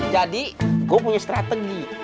jadi gua punya strategi